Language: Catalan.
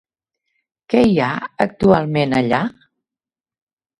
Què hi ha actualment allà?